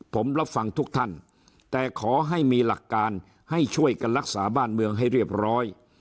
ผมรับฟังทุกท่านแต่ขอให้มีหลักการให้ช่วยกันรักษาบ้านเมืองให้เรียบร้อย